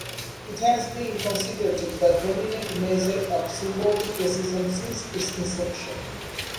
It has been considered the dominant measure of symbolic racism since its inception.